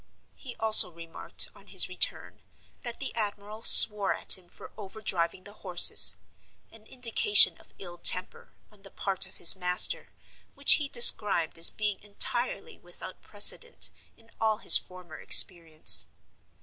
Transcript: He also remarked, on his return, that the admiral swore at him for overdriving the horses—an indication of ill temper, on the part of his master, which he described as being entirely without precedent in all his former experience.